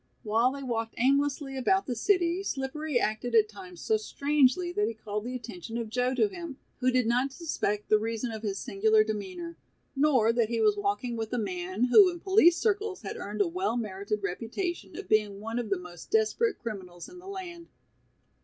While they walked aimlessly about the city, Slippery acted at times so strangely that he called the attention of Joe to him, who did not suspect the reason of his singular demeanor, nor that he was walking with a man who in police circles had earned a well merited reputation of being one of the most desperate criminals in the land.